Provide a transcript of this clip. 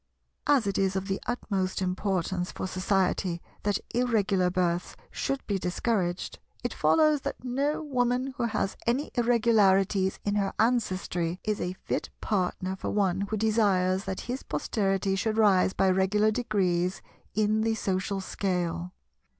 As it is of the utmost importance for Society that Irregular births should be discouraged, it follows that no Woman who has any Irregularities in her ancestry is a fit partner for one who desires that his posterity should rise by regular degrees in the social scale.